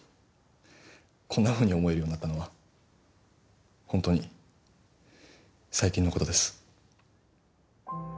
こんなふうに思えるようになったのはホントに最近のことです。